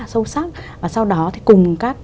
sâu sắc và sau đó thì cùng các